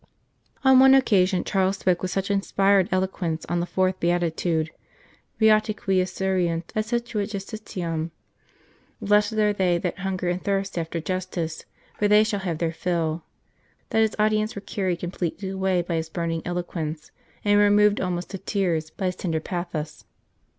On one occasion Charles spoke with such in spired eloquence on the fourth beatitude, " Beati qui esuriunt et sitiunt justitiam " (Blessed are they that hunger and thirst after justice : for they shall have their fill), that his audience were carried completely away by his burning eloquence, and were moved almost to tears by his tender pathos.